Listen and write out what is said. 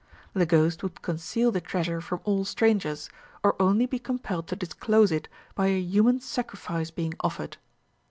The ghost would conceal the treasure from all strangers, or only be compelled to disclose it by a human sacrifice being offered."